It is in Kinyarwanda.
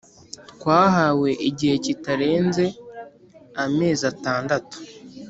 Twahawe igihe kitarenze amezi atandatu